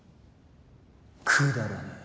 くだらねぇ。